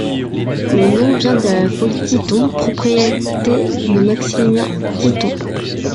Le nom vient de la folie Titon, propriété de Maximilien Titon.